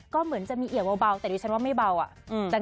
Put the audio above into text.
ก็เหมือนจะมีเอี่ยวเบาแต่ดิฉันว่าไม่เบาอ่ะ